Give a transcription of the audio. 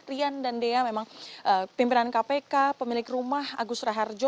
rian dan dea memang pimpinan kpk pemilik rumah agus raharjo